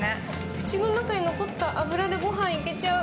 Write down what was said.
口の中に残った脂でご飯いけちゃう。